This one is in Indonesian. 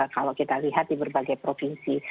kalau kita lihat di berbagai provinsi